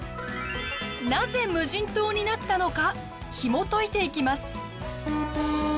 なぜ無人島になったのかひもといていきます。